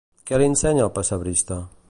Què li ensenya el pessebrista?